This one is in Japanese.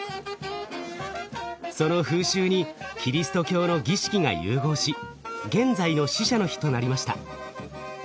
その風習にキリスト教の儀式が融合し現在の「死者の日」となりました。